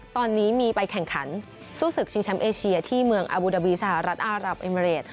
ตอนนี้มีไปแข่งขันสู้ศึกชิงแชมป์เอเชียที่เมืองอบูดาบีสหรัฐอารับเอเมริด